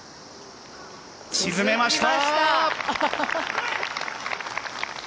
沈めました。